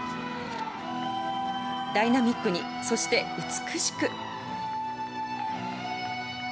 ダイナミックに、そして美しく。